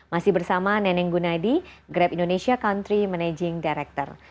masih bersama neneng gunadi grab indonesia country managing director